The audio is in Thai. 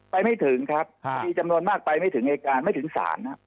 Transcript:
ไม่ถึงครับคดีจำนวนมากไปไม่ถึงอายการไม่ถึงศาลครับ